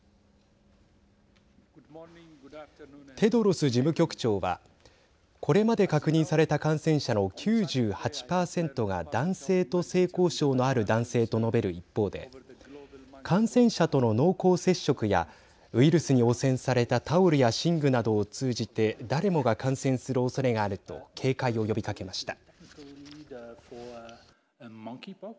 テドロス事務局長はこれまで確認された感染者の９８％が男性と性交渉のある男性と述べる一方で感染者との濃厚接触やウイルスに汚染されたタオルや寝具などを通じて誰もが感染するおそれがあると警戒を呼びかけました。